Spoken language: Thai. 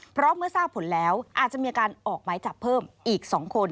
เพราะเมื่อทราบผลแล้วอาจจะมีการออกหมายจับเพิ่มอีก๒คน